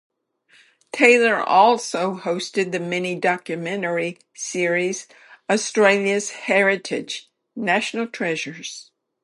Taylor also hosted the mini documentary series 'Australia's Heritage: National Treasures'.